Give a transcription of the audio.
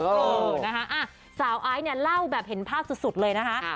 เออนะฮะสาวไอ้เล่าแบบเห็นภาพสุดเลยนะฮะ